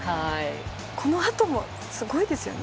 このあともすごいですよね。